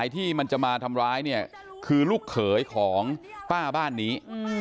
ที่มันจะมาทำร้ายเนี่ยคือลูกเขยของป้าบ้านนี้